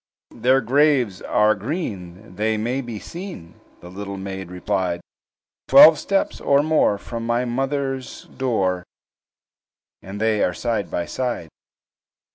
"Their graves are green, they may be seen," The little maid replied; "Twelve steps or more from my mother's door, And they are side by side.